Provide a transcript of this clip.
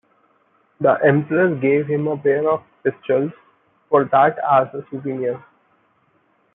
The Emperor gave him a pair of pistols for that as a souvenir.